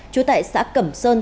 trú tại xã cẩm sơn